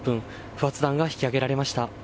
不発弾が引き上げられました。